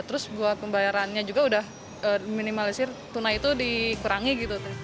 terus buat pembayarannya juga udah minimalisir tunai itu dikurangi gitu